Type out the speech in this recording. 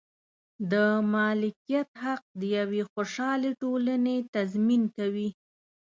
د مالکیت حق د یوې خوشحالې ټولنې تضمین کوي.